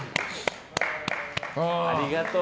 ありがとう。